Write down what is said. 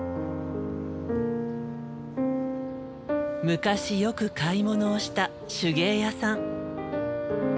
昔よく買い物をした手芸屋さん。